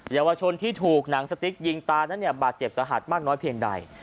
เยาวชนที่ถูกหนังสติ๊กยิงตานั้นเนี่ยบาดเจ็บสาหัสมากน้อยเพียงใด